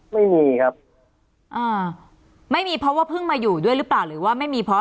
ไม่มีครับอ่าไม่มีเพราะว่าเพิ่งมาอยู่ด้วยหรือเปล่าหรือว่าไม่มีเพราะ